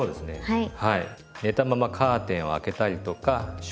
はい。